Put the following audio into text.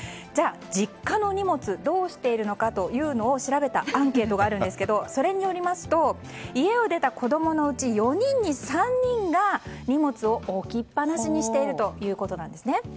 じゃあ、実家の荷物どうしているのかというのを調べたアンケートがあるんですがそれによりますと家を出た子供のうち４人に３人が荷物を置きっぱなしにしているということです。